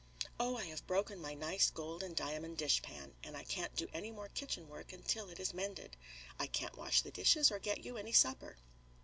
"Oh, I have broken my nice gold and diamond dishpan, and I can't do any more kitchen work until it is mended. I can't wash the dishes nor get you any supper."